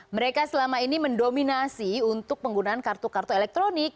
mereka selama ini mendominasi untuk penggunaan kartu kartu elektronik